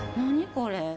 これ。